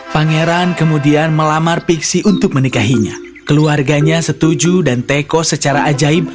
pangeran kemudian melamar piksi untuk menikahinya keluarganya setuju dan teko secara ajaib